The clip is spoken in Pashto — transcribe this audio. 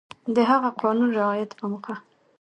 د هغه قانون رعایت په موخه